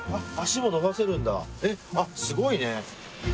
えっあっすごいね。